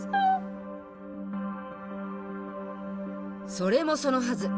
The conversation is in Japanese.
それもそのはず。